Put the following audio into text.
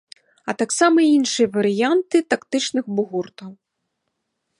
А таксама іншыя варыянты тактычных бугуртаў.